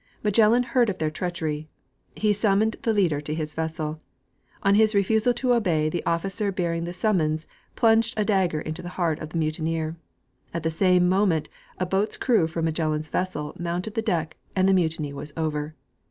Magellan heard of their treachery. He summoned the leader to his vessel. On his refusal to obey, the officer bearing the summons plunged a dagger into the heart of the mutineer; at the same moment a boat's crew from Magellan's vessel mounted the deck, and the mutin}^ Avas over.